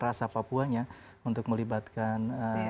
rasa papuanya untuk melibatkan